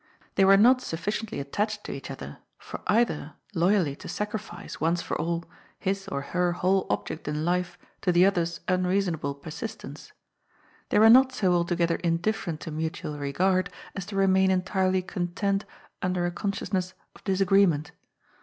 They were not sufficiently attached to each other for either loyally to sacrifice, once for aU, his or her whole object in life to the other's unreasonable persistence ; they were not so altogether indifferent to mutual regard as to remain entirely content under a consciousness of dis agreement.